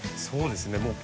そうですね。